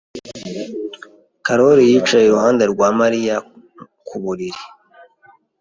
Karoli yicaye iruhande rwa Mariya ku buriri.